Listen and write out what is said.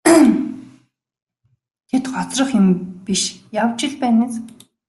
Тэд хоцрох юм биш явж л байна биз.